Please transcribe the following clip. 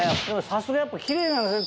さすがやっぱキレイなんですね